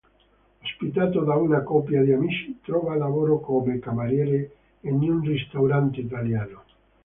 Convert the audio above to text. Ospitato da una coppia di amici, trova lavoro come cameriere in un ristorante italiano.